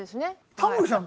タモリさん